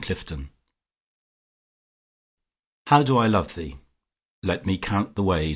XLIII How do I love thee? Let me count the ways.